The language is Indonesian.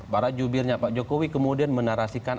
para jubirnya pak jokowi kemudian menarasikan